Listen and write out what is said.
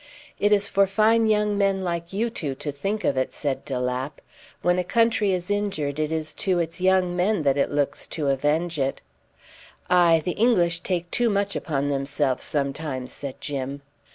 "It is for fine young men like you two to think of it," said de Lapp. "When a country is injured, it is to its young men that it looks to avenge it." "Aye! the English take too much upon themselves sometimes," said Jim.